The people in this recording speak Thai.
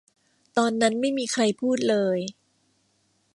ตอนนั้นไม่มีใครพูดเลย